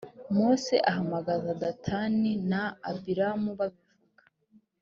mose ahamagaza datani na abiramu babivuga